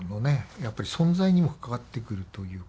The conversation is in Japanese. やっぱり存在にも関わってくるというか。